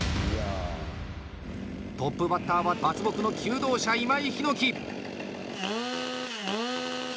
トップバッターは伐木の求道者、今井陽樹。